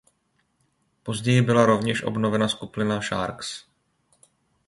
Později byla rovněž obnovena skupina Sharks.